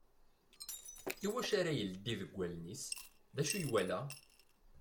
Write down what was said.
I wacu ara ileddi deg wallen-is? D ucu i yewala?